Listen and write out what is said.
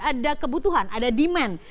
ada kebutuhan ada demand